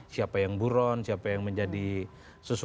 siapa yang buron siapa yang menjadi sesuatu yang tidak berhasil